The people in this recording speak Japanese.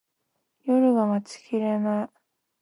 夜が待ちきれない